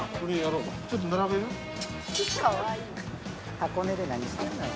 箱根で何してんのよ。